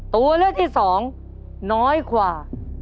ตัวเลือกที่สองน้อยกว่า